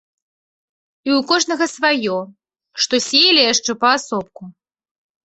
І ў кожнага сваё, што сеялі яшчэ паасобку.